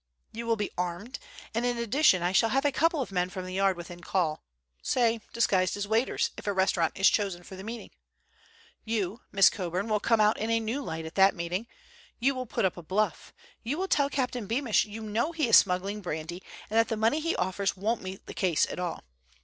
You will be armed, and in addition I shall have a couple of men from the Yard within call—say, disguised as waiters, if a restaurant is chosen for the meeting. You, Miss Coburn, will come out in a new light at that meeting. You will put up a bluff. You will tell Captain Beamish you know he is smuggling brandy, and that the money he offers won't meet the case at all.